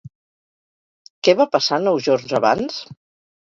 Què va passar nou jorns abans?